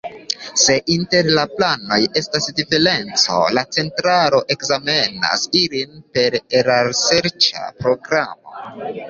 Se inter la planoj estas diferenco, la centralo ekzamenas ilin per erarserĉa programo.